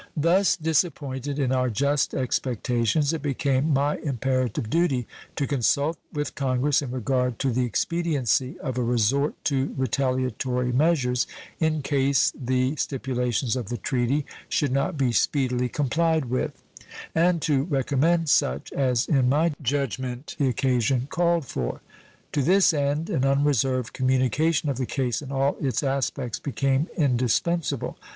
Thus disappointed in our just expectations, it became my imperative duty to consult with Congress in regard to the expediency of a resort to retaliatory measures in case the stipulations of the treaty should not be speedily complied with, and to recommend such as in my judgment the occasion called for. To this end an unreserved communication of the case in all its aspects became indispensable.